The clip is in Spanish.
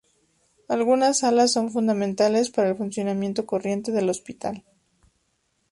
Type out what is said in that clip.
Algunas salas son fundamentales para el funcionamiento corriente del hospital.